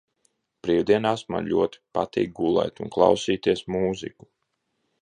Brīvdienās man ļoti patīk gulēt un klausīties mūziku.